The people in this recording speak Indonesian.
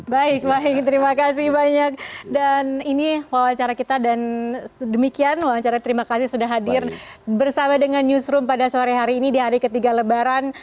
baik baik terima kasih banyak dan ini wawancara kita dan demikian wawancara terima kasih sudah hadir bersama dengan newsroom pada sore hari ini di hari ketiga lebaran